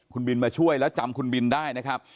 คุณบินมาช่วยแล้วจำคุณบินได้นะครับ